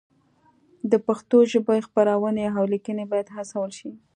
د پښتو ژبې خپرونې او لیکنې باید هڅول شي.